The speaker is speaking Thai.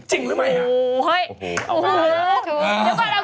จริงหรือไม่ฮะโอเคเข้ามากกว่าเลยนะโอ้โฮ